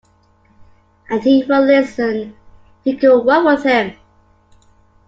And he would listen...You could work with him.